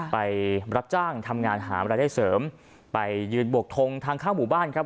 ไปรับจ้างทำงานหามารายได้เสริมไปยืนบวกทงทางเข้าหมู่บ้านครับ